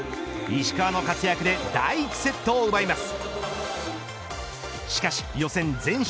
石川の活躍で第１セットを奪います。